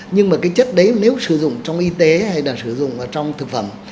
nhưng mà cái chất đấy nếu sử dụng trong y tế hay là sử dụng ở trong thực phẩm